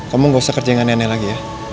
kamu nggak usah kerja yang aneh aneh lagi ya